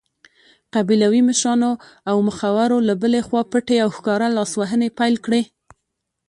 قبیلوي مشرانو او مخورو له بلې خوا پټې او ښکاره لاسوهنې پیل کړې.